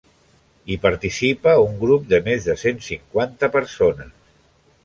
Hi participa un grup de més de cent cinquanta persones.